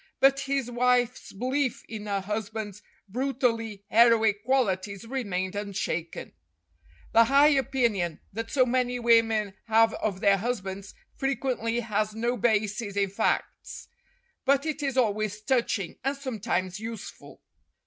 But his wife's belief in her husband's brutally heroic qualities remained unshaken. The high opinion that so many women have of their husbands frequently has no basis in facts, but it is always touching, and sometimes useful.